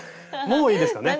もういいですかね。